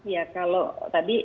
ya kalau tadi